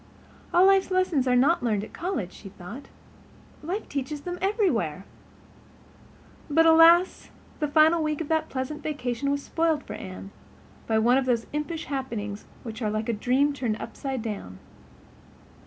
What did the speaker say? "All life lessons are not learned at college," she thought. "Life teaches them everywhere." But alas, the final week of that pleasant vacation was spoiled for Anne, by one of those impish happenings which are like a dream turned upside down.